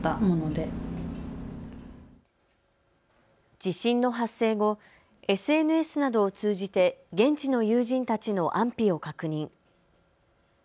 地震の発生後、ＳＮＳなどを通じて現地の友人たちの安否を確認。